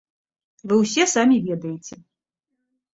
Вы ўсе самі ведаеце.